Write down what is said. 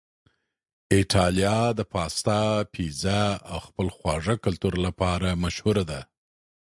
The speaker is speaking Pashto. ایتالیا د پاستا، پیزا او خپل خواږه کلتور لپاره مشهوره ده.